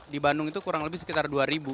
di bandung itu kurang lebih sekitar dua ribu